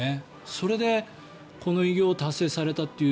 それでこの偉業を達成されたという。